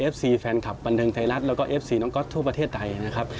แฟนคลับบันเทิงไทยรัฐแล้วก็เอฟซีน้องก๊อตทั่วประเทศไทยนะครับ